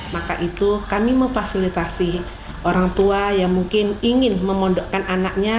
maka itu kami memfasilitasi orang tua yang mungkin ingin memondokkan anaknya